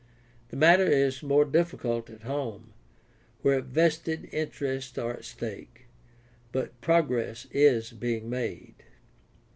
The matter is more difficult at home, where vested interests are at stake, but progress is being made.